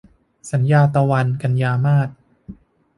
สัญญาตะวัน - กันยามาส